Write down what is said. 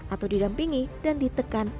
atau didampingi dan ditekan